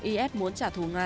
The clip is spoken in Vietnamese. is muốn trả thù nga